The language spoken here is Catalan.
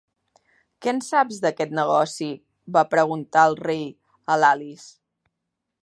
Què en saps d"aquest negoci? va preguntar el rei a l"Alice.